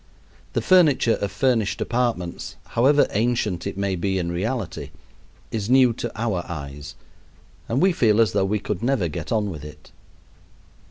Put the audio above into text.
The furniture of furnished apartments, however ancient it may be in reality, is new to our eyes, and we feel as though we could never get on with it.